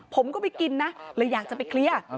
ผมก็ไปกินนะเลยอยากจะไปเคลียร์